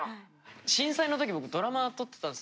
震災の時僕ドラマ撮ってたんです。